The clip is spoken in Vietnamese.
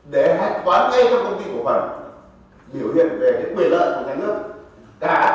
để hành toán ngay cho công ty